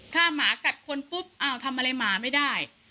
ถ้าหมากัดคนปุ๊บอ้าวทำอะไรหมาไม่ได้